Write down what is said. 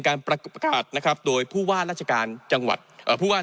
ประกาศอัดนะครับโดยผู้ว่าราชการจังหวัดผู้ว่า